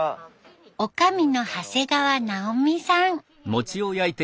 女将の長谷川奈生さん。